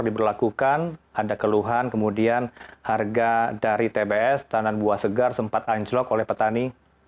diberlakukan ada keluhan kemudian harga dari tbs tanan buah segar sempat anjlok oleh petani